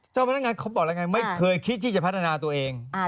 เจ้าพนักงานเขาบอกแล้วไงไม่เคยคิดที่จะพัฒนาตัวเอง